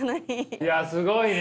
いやすごいね。